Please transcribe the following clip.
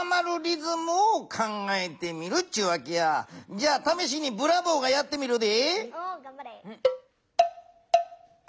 じゃあためしにブラボーがやってみるで。